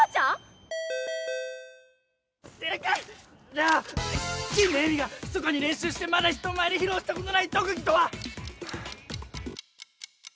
じゃあ近年恵美がひそかに練習してまだ人前で披露したことない特技とは？